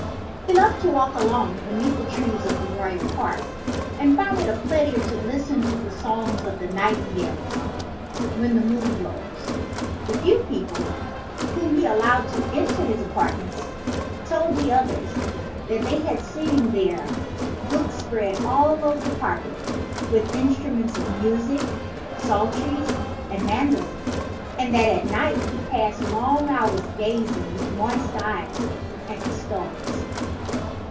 He loved to walk alone beneath the trees of the royal park, and found it a pleasure to listen to the songs of the nightingales when the moon rose. The few people 73 74 THE FAIRY SPINNING WHEEL ' whom he allowed to enter his apartments told the others that they had seen there books spread out all over the carpet, with in struments of music, psalteries, and mandolins, and that at night he passed long hours gazing with moist eyes at the stars.